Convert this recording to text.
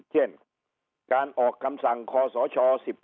เช่นการออกคำสั่งขอสช๑๙๒๕๖๐